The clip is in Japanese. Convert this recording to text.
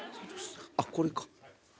あっこれか。